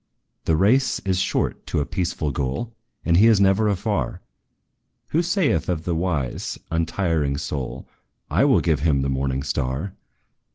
"The race is short to a peaceful goal, And He is never afar, Who saith of the wise, untiring soul, 'I will give him the morning star!'